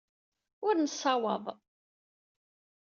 Ur nessawaḍ.